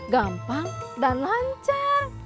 gampang dan lancar